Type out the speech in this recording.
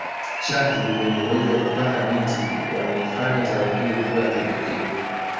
chatu wenye uwezo wa kupanda miti waneifanya tarangire kuwa ya kipekee